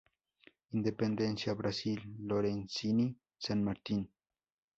Independencia, Brasil, Lorenzini, San Martín, Av.